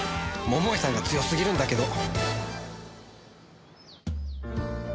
桃井さんが強すぎるんだけど